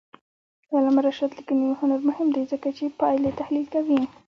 د علامه رشاد لیکنی هنر مهم دی ځکه چې پایلې تحلیل کوي.